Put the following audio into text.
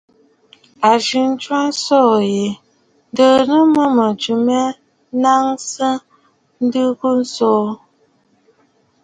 A jɨ ntwaʼa ntsǔ yi, ǹdɨʼɨ nɨ mə mɨ̀jɨ mya naŋsə nlìì ghu ntsù.